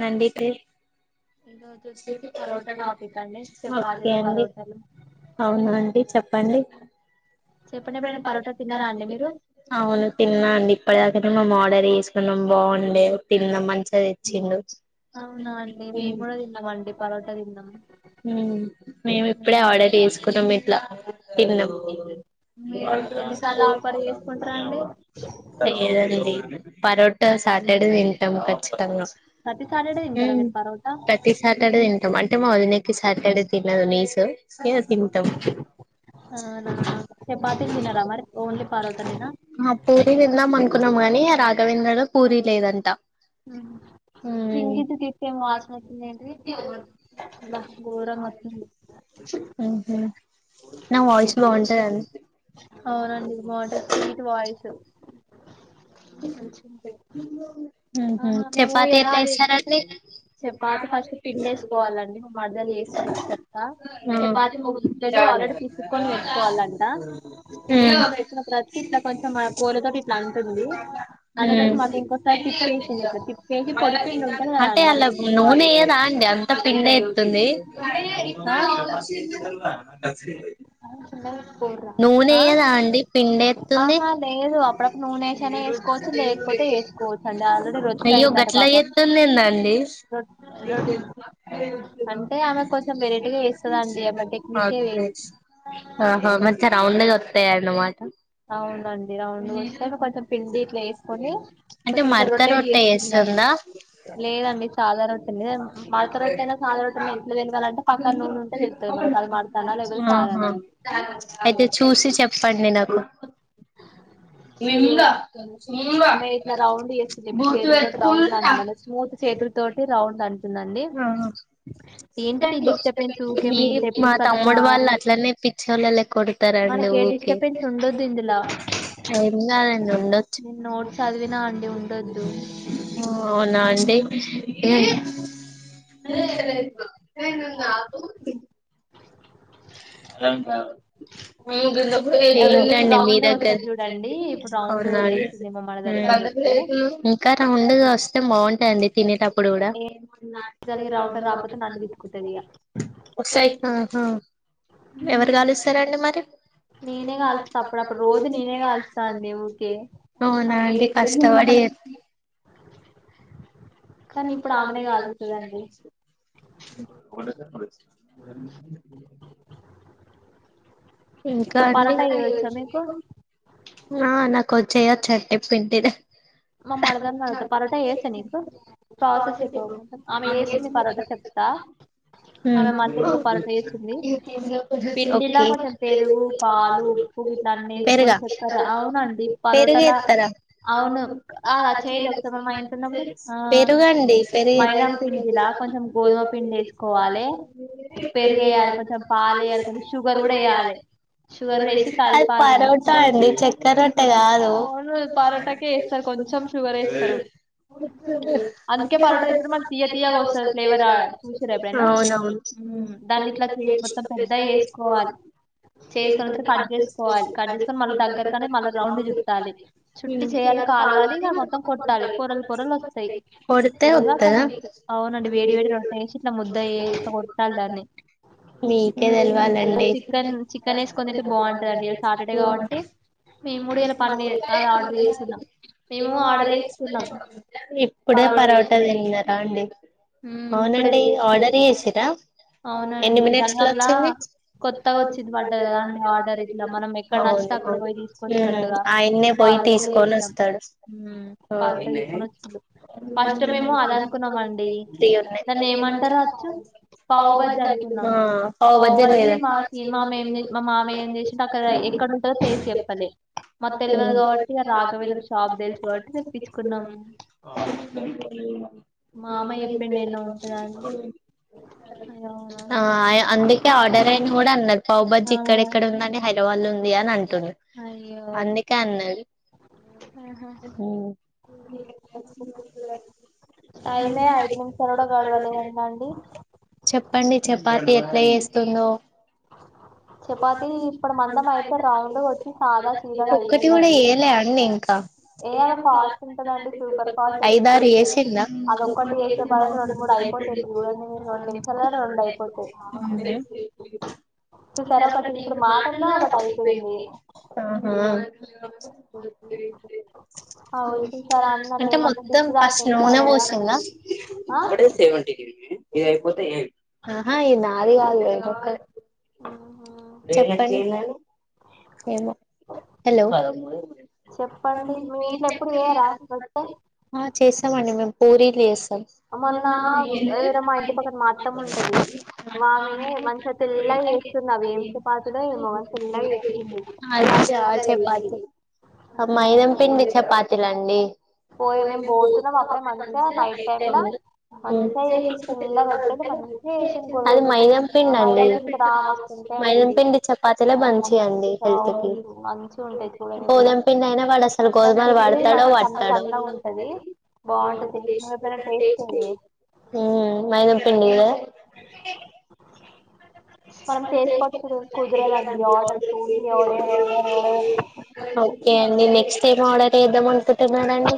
నండితే అకే అండి అవున అండి చెప్ చెప్పండి అవును తిన్నా అండి అప్పటి దాక మేం ఆర్డర్ చేసుకున్నాం బాగుండే తిన్నాం మంచిగ తెచ్చిండు అవునా అండీ ఉ ఊ మేము ఇప్పుడే ఆర్డర్ చేసుకున్నాం ఇట్లా తిన్నం అండీ లేదండి పరోట సాటర్డే తింటాం ఖచ్చితంగా ఊ ప్రతి సాటర్డే తింటాం అంటే మా వదిన సాటర్డే తినం నీసు యా తింటాం అవునా ఆ పూరి తిందాం అనుకున్నాం గాని రాత్ రఘవంద్రడు పూరి లేదంటా తింగది తితె ఏమో వాస అబ గోరంగ వస్తుంది నా వాయిస్ బాగుంటద అండీ అవునండి బావుంటది స్వీటు వాయిసు ఆహా మేము ఎలా అది చపాతి ఫస్ట్ పిండి వేసుకోవాలండి మరదలు వేసచ్చట్ట చపాతి ము ద్దలు ఆల్రెడీ పీసుకొని వెటుకోవాలంట తీస్కొని వెట్టిన ప్రతి ఇట్లా కొంచెం కోలతో అవునవును దీ అంటే అలకు నూనెయదా అండి అంత పిండే ఎతుంది నూనయ్యదాండి పిండి ఎతుంది అయ్యో గట్లా ఎతందెందండి [unintelligible] ఆహా మంచిగా రౌండ్గా వతయన్నమాట అవునండి రౌండ్ గ వస్తే పిండి ఇట్లా వేసుకొని కొంచం ఇట్లా రొటేట్ చేస్తుండాలి లేదండి చదా రొట్టనే మడత రొట్ట అయినా చ సాదా రొట్టె మీ ఇట్ తెలివాలంటే పక్కన నూనె ఉంటే తెలుగుతది మనకు ఆహా అయితే చూసి చెప్పండి ని నాకు నిముడా ముగా గుర్తువెటుకుంట తోటి రౌండ్ అంటుందండి మీ మా తమ్ముడు వాళ్ళు అట్లనే పిచ్చోల లెక్క ఓరుతరండి రెండు ఓకే ఇట్లుండదుదిందిలా ఇందననే ఉండచ్చ అవునా అండి [unintelligible] [unintelligible] మీ ఏంటండి మీ దగ్గర అవునండి ఇంకా రౌంగా వస్తే బాగుంటాయిండి తినేటప్పుడు కూడా ఒక్కసారి ఆహా ఎవరు కాలుస్తారండి మరి నేనే కాలుస్తా అప్పుడప్పుడు రోజు నేనే కాలుస్తా అండి ఊకే [unintelligible] కానీ ఇప్పుడు ఆవిడ కాదుని ఒక ఇంకా అండి ఆ నాకు చ్చయచ్చ టిఫిన్ తి [inaudible] హ్మ్ ఒకే పెరుగా పెరుగేస్తరా అవును అచైన్ మమ్మా ఎంతందమ్మ ఆ మైదాపిండిలా కొంచెం గోధుమ పిండి వేసుకోవాలె పెరుగే వేయాలి కొంచెం పాలు వేయాలి కొంచం షుగర్ గుడా వేయాలె షుగర్ వేసి కల్పాలె మంచిగా అవును పరోటకే వేస్త కొంచెం షుగర్ వేస్తారు అందుకే పారోట ఎప్పుడు మ తీయ తీయగా వస్తది ఫ్లేవర్ చూసార ఎప్పుడైనా దాన్ని ఇట్లా చేయపోత్తం పెద్దగ చేసుకోవాలి చేసుకుని తరువాత కట్ చేసుకోవాలి కట్ చేసుకొని మళ్ళీ దగ్గర కని మళ్ళా రౌండ్ చుట్టాలి చుట్టి చేయాలి కా కాలవాలీ ఇక మొత్తం కొట్టాలి పొరలు పొరలు వస్తాయి తెలివాక మీకు అవునండి వేడి వేడి రొట్టెసి ఇట్లా ముదుయ్య ఇలా కొట్టాలి దాన్ని మీకే తెలివాలండి ఆ ఇప్పుడే పరోటా తిన్నారా అండి అవునండి ఆర్డర్ చేసిరా అవునండి జనాభలా కొత్తగా వచ్చిది పడ్డారు కదా అండి ఆర్డర్ ఇట్లా మనం ఎక్కడ నచ్చ అక్కడ పోయి తీసుకొచ్చినట్టుగా వాళ్ళకే ఇస్తాం పరోట తీసుకొని వచ్చి ఫస్ట్ మేము అది అనుకున్నామ అండి దాన్ని ఏమంటారు వచ్చు పావబాజీ అనుకున్నాం పవుబాజీ మాకి ఏం మా మామ ఏం చేసి అక్కడ ఎక్కడంటందో ప్లేస్ చెప్పలే మా తెలియదు కాబట్టి రాఘవేంద్ర షాప్ తెలుసు కాబట్టి తేప్పించుకున్నాము [unintelligible] ఆ అందుకే ఆర్డర్ అయిన కూడా అన్నట్ పావుబాజి ఇక్కడేక్కడ ఉందని హైదరాబాద్ లో ఉంది అని అంటే అందుకే అన్నా టైమే ఐదు నిమిషాలు కూడా గడవలేదంట అండి చెప్పండి చపాతి ఎట్లా చేస్తుందో ఒక్కటి కూడా వేయలే అండి ఇంకా ఎ ఐదారు ఎసిందా లె ఆహా ఆ వచ్చంది సార్ అమే ఏమంటుంది డిస్ తాకింది ఫైనల్ గా అంటుంది అడే సెవెంది ఇది ఐపోతే ఏడు అ హ ఈ నాది కాదు వేరొకరు చెప్పండి ఏమో తెలవదు, ఆ చేస్తామండి మేము పూరీలు చేస్తాం. మోన్నా అది జార చపాతీ అవి మైదం పిండి చపాతిలండి. పోయేదెం పోతే అపుడే వన్స్ కె నైటె అది మైదం పిండి అండి మైదంపిండి చపాతీలో మంచియండి హెల్త్ కి గోదం పిండి అయినా పడ అసలు గోధుమలు వాడతాడో సన్న సన్నగా ఉంటది బాగుంటది నువ్వు ఎప్పుడన చేయొచ్చు కాదే, ఉ మైదం పిండియ కానీ టెస్ట్ ఓకే అడి నెక్స్ట్ టైం ఆడర్ చేద్ద అకుతున్నాండి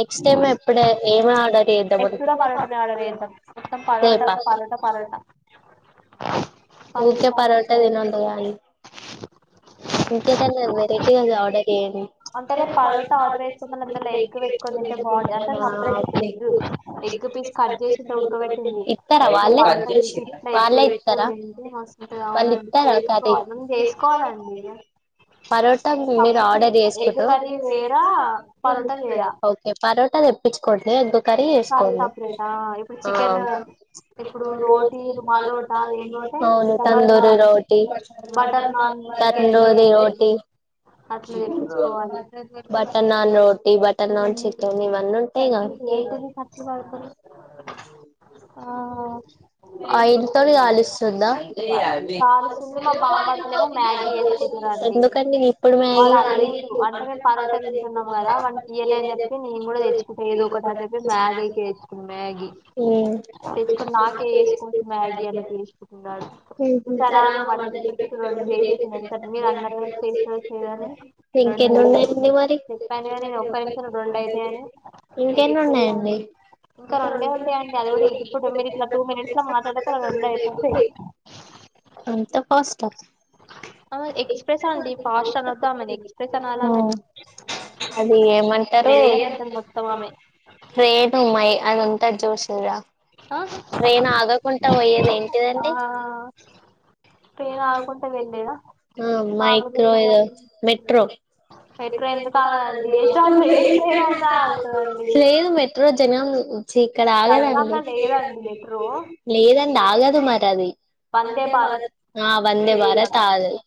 నెక్స్ట్ టైమ్ ఎప్పుడ ఏమి ఆర్డర్ రేప ఉకే పరోటా తినొద్దుకాండీ కాఉకేత వెరైటీ అడర్ ఏటి [unintelligible] ఇతార వాళ్ళ వాళ్ళలే ఇతార వాళ్ళు ఇతర అక్క అటు పరోటా మీరు ఆర్డర్ చేస్త ఇడు ఓకే పరోటా తెప్పించుకూడదు కర్రీ చేసుకోవాలి ఇక్కడ ఈరోజు ఈ పరోటా తందూరి రోటీ బట తందూరి రోటీ బటర్ నాన్ రోటీ బటర్ నాన్ చికెన్ ఇవన్నీ ఉంటాయిగా [unintelligible] పచ్చి వాడకురి ఆ కాల్స్తుంది మాకు బాగు పడుతులేమో మ్యాగీ వేసుకుంటున్నాండి. వాడు అలిగిండు అంటే మేము పరోట తంటున్నాము కదా మనకిీయలే అని చెప్పి నేను కూడా తెచ్చుకుంటే ఏద ఒకటి అని చెప్పే మ్యాగీ అయితే తేచ్చుకుండు, మ్యాగీ తెచ్చుకుని నాకే చేసుకోవచ్చు మ్యాగీ అన్నట్టు వేసుకు, [unintelligible] ఇక్కడ మా మార్దల్ ఇప్పటికి ఇప్పుడు రెండు చేసి వచ్చిందంట మీరు అందరు చేయిచేయి అన్ని, అ చెప్పాను గా నేను ఒక్క నిమిషం రెండు అయితే అని, చేతాంది, ఇంకా రెండే ఉంటాయంట అది కూడా ఇప్పుడు మీరు ఇప్పుడు టూ మినిట్స్ లో మాట్లాడకుడా రెండి అయిపోతాయి, అంత ఫస్ట్ ఎక్స్ప్రెస్ అండి ఫాస్ట్ అనొద్దు ఆమెని ఎక్స్ప్రెస్ అనాల ఆమెని అడికి పోయిన సరే, ట్రైన్ పోయే అది ఉంటాది చూసినవా ట్రైన్ ఆగకుండా పోయ్యేది ఏంటిదండి, ఉ ఎం ఉన్నాయి ఇప్పుడే మెట్రో, లేదు మెట్రో జనగం వచ్చి ఇక్కడ ఆగదండి లేదండి ఆగదు మరి అది, వందే భారత్ ఆ వందే భారత్ ఆగదు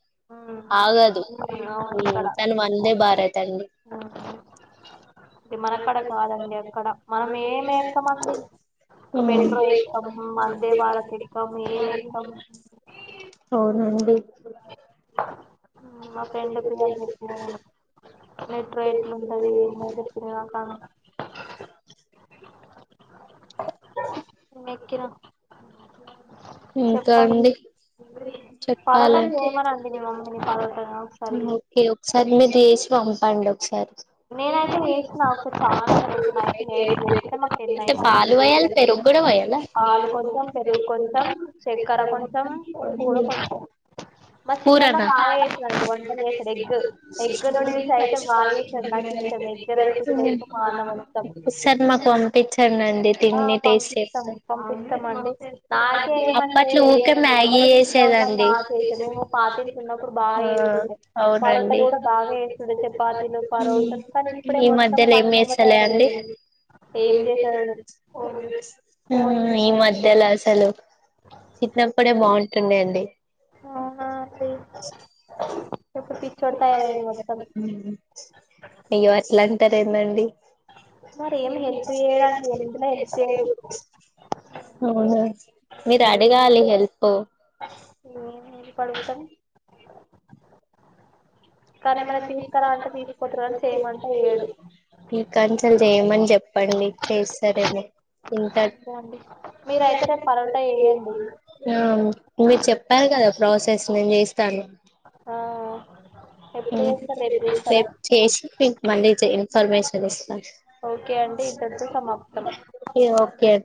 ఆగదు ఉ తను వందే భారత్ అండీ, [unintelligible] ఉ అవునండి, [unintelligible] మెట్రో ఎట్లా ఉంటది నాక్ ఇప్పటిదాకానూ నేనెక్కినా ఇంకా అండి చెప్పాలే ఓకే ఒకసారి మీరు చేసి అండి ఒకసారి నేనైతే పాలు వయాలి పేరు డ వయాల పూరగా పసాద్మా కొం ఆ పంపిస్తాం పంపిస్తామండి ఏయమంటే వయదు అప్పుడే చిన్న ఉన్నప్పుడులాగా చేస మేము పాతిల్స్ ఉన్నప్పుడు బాగా చేస్తుండే పరోటలు కూడా బాగా వేస్తాది చపాతీలు పరోటలు కానీ ఇప్పుడే మొత్తం పందంగా తయారవుతుంది ఏం చేశాడు ఈ మధ్యలాసలు చికెన్ కూడా బాగుంటునైఅండి అవునా అండి చెప్పు పిచోడ తయారీ మొత్తం అయ్యో అట్లా అంటారు ఏంమండి ఏం చేస్తలేదండి అవును మీరు అడిగాలి హెల్ప్ మీరు కలుధం మ మీ కన్సల్ చేయమని చెప్పండి చేస్తారేమో ఇంతక్ మీరు చెప్పారు కదా ప్రాసెస్ నేను చేస్త ఆ [unintelligible] ఓకే